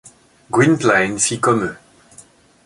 Gwynplaine fit comme eux.